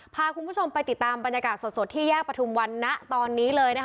พาคุณผู้ชมไปติดตามบรรยากาศสดที่แยกประทุมวันณตอนนี้เลย